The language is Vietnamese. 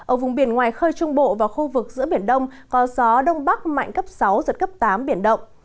ở vùng biển ngoài khơi trung bộ và khu vực giữa biển đông có gió đông bắc mạnh cấp sáu giật cấp tám biển động